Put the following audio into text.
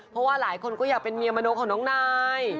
เพราะว่าหลายคนก็อยากเป็นเมียมโนของน้องนาย